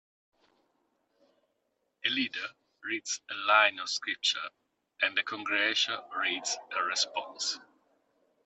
A leader reads a line of scripture and the congregation reads a response.